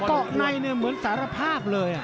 คุกเกาะในเนี่ยเหมือนสารภาพเลย